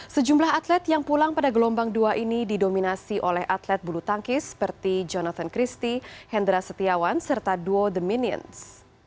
sejumlah atlet yang pulang pada gelombang dua ini didominasi oleh atlet bulu tangkis seperti jonathan christie hendra setiawan serta duo the minions